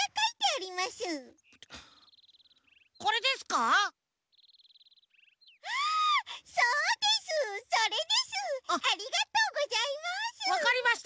ありがとうございます。